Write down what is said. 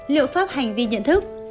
liệu pháp hành vi nhận thức